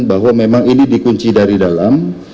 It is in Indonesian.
bahwa memang ini dikunci dari dalam